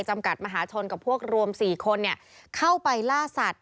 จำกัดมหาชนกับพวกรวม๔คนเข้าไปล่าสัตว